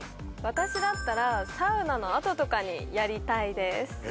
私だったらサウナのあととかにやりたいです